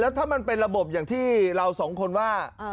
ถ้ามันเป็นระบบอย่างที่เราสองคนว่า